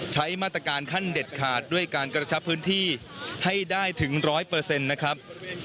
ใช้มาตรการขั้นเด็ดขาดด้วยการกระชับพื้นที่ให้ได้ถึง๑๐๐นะครับ